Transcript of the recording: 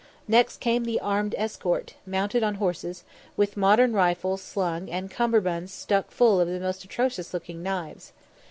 Next came the armed escort, mounted on horses, with modern rifles slung and cummerbunds stuck full of the most atrocious looking knives.